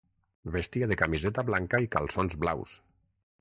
Vestia de camiseta blanca i calçons blaus.